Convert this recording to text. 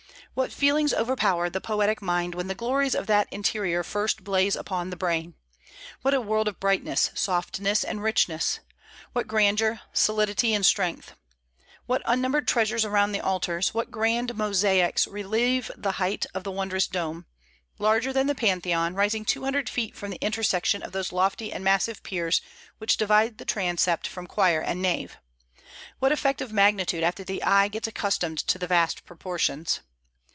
What feelings overpower the poetic mind when the glories of that interior first blaze upon the brain; what a world of brightness, softness, and richness; what grandeur, solidity, and strength; what unnumbered treasures around the altars; what grand mosaics relieve the height of the wondrous dome, larger than the Pantheon, rising two hundred feet from the intersection of those lofty and massive piers which divide transept from choir and nave; what effect of magnitude after the eye gets accustomed to the vast proportions!